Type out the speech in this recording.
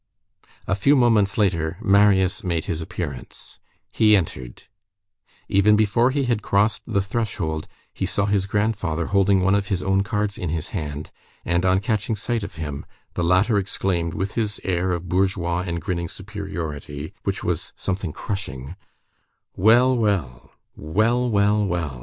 A few moments later, Marius made his appearance. He entered. Even before he had crossed the threshold, he saw his grandfather holding one of his own cards in his hand, and on catching sight of him, the latter exclaimed with his air of bourgeois and grinning superiority which was something crushing:— "Well! well! well! well! well!